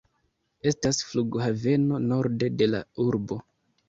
Estas flughaveno norde de la urbo.